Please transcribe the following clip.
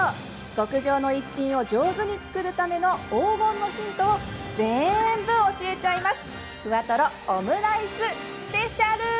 極上の逸品を上手に作るための黄金のヒントをぜんぶ教えちゃいます！